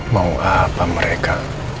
mau apa mereka